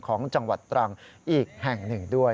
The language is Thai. ของจังหวัดตรังอีกแห่งหนึ่งด้วย